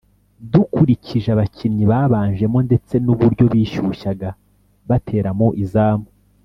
dukurikije abakinnyi babanjemo ndetse n' uburyo bishyushyaga batera mu izamu